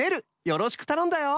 よろしくたのんだよ！